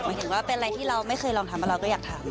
หมายถึงว่าเป็นอะไรที่เราไม่เคยลองทำแล้วเราก็อยากทำ